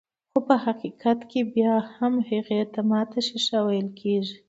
خو په حقيقت کې بيا هم هغې ته ماته ښيښه ويل کيږي.